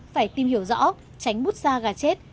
phải tìm hiểu rõ tránh bút xa gà chết